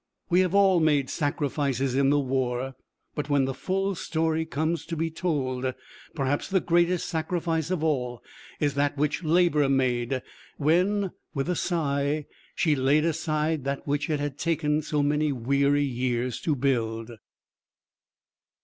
We have all made sacrifices in the war, but when the full story comes to be told, perhaps the greatest sacrifice of all is that which Labour made when, with a sigh, she laid aside that which it had taken so many weary years to build.